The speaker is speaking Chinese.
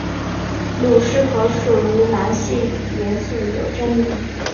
镥是否属于镧系元素有争论。